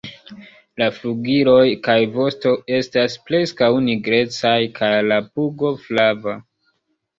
La flugiloj kaj vosto estas preskaŭ nigrecaj kaj la pugo flava.